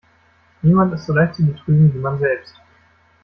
Niemand ist so leicht zu betrügen, wie man selbst.